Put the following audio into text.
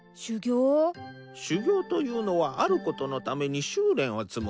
修業というのはあることのために修練を積むことじゃ。